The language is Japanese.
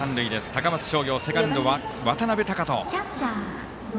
高松商業、セカンドは渡邊升翔。